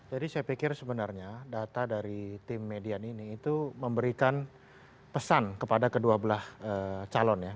jadi saya pikir sebenarnya data dari tim median ini itu memberikan pesan kepada kedua belah calon ya